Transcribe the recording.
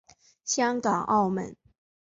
香港澳门